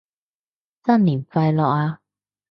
新年快樂啊